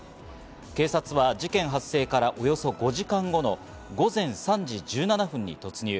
警察は事件発生からおよそ５時間後の午前３時１７分に突入。